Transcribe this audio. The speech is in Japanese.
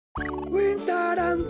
ウインターランド！